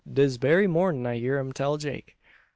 dis berry mornin' I hear um tell Jake."